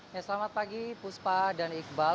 ya selamat pagi puspa dan iqbal